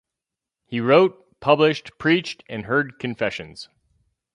He wrote, published, preached, and heard confessions.